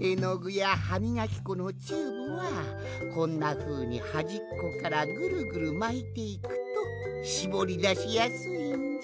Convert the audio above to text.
えのぐやはみがきこのチューブはこんなふうにはじっこからぐるぐるまいていくとしぼりだしやすいんじゃ。